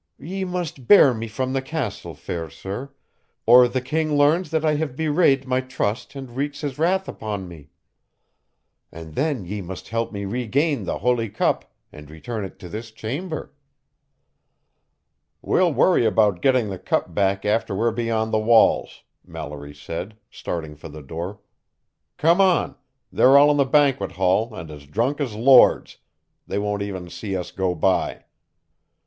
"Ye must bear me from the castle, fair sir, or the king learns I have bewrayed my trust and wreaks his wrath upon me. And then ye must help me regain the Holy Cup and return it to this chamber." "We'll worry about getting the Cup back after we're beyond the walls," Mallory said, starting for the door. "Come on they're all in the banquet hall and as drunk as lords they won't even see us go by."